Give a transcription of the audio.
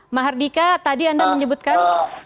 mahardika tadi anda menyebutkan